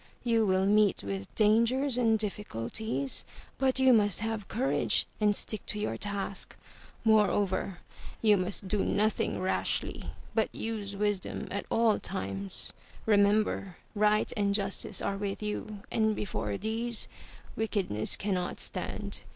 You will meet with dangers and difficulties, but you must have courage and stick to your task. Moreover, you must do nothing rashly, but use wisdom at all times. Remember Right and Justice are with you and before these, Wickedness cannot stand.